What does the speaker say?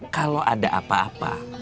kalau ada apa apa